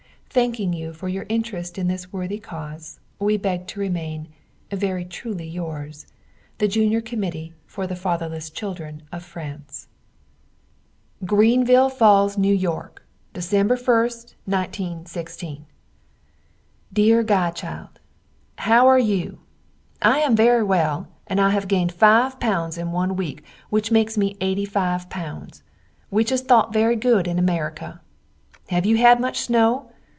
Thanking you for your interest in this worthy cause, we beg to remain Very truly yours, The Junior Committee for the Fatherless Children of France. Greenville Falls, N.Y. Dec, 1st, 1916. Deer godchild How are you? I am very well and I have ganed 5 Ibs. in one weak which makes me 85 Ibs. which is thot very good in America. Have you had much snow?